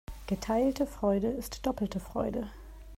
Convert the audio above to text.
Geteilte Freude ist doppelte Freude.